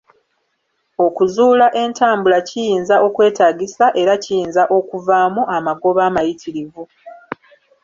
Okuzuula entambula kiyinza okwetaagisa era kiyinza okuvaamu amagoba amayitirivu.